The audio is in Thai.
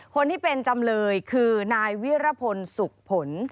คนที่เป็นจำเลยคือนายวิรพลสุขผล